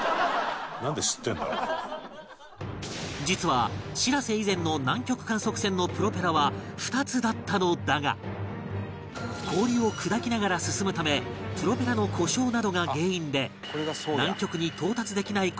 実はしらせ以前の南極観測船のプロペラは２つだったのだが氷を砕きながら進むためプロペラの故障などが原因で